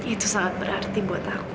itu sangat berarti buat aku